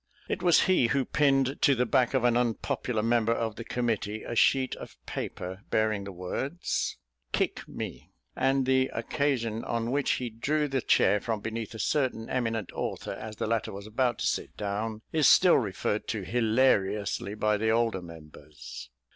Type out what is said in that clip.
It was he who pinned to the back of an unpopular member of the committee a sheet of paper bearing the words KICK ME and the occasion on which he drew the chair from beneath a certain eminent author as the latter was about to sit down is still referred to hilariously by the older members.